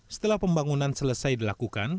setelah pembangunan selesai dilakukan